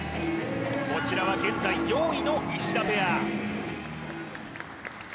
こちらは現在４位の石田ペア